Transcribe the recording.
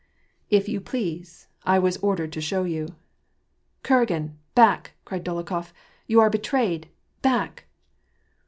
" If you please, I was ordered to show you ''— '^Euragin! back!*' cried Dolokhol ^'You are betrayed! back!"